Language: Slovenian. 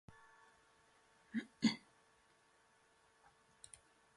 Onemogel se je zgrudil v naslanjač.